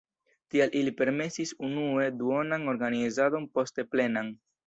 Tial ili permesis unue duonan organizadon, poste plenan.